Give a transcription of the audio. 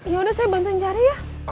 ya udah saya bantuin cari ya